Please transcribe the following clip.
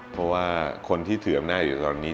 เพราะว่าคนที่ถืออำนาจอยู่ตอนนี้